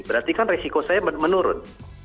berarti kan resiko saya menurun